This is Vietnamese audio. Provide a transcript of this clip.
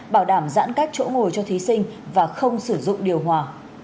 bảo đảm giãn cách chỗ ngồi cho thí sinh và không sử dụng điều hòa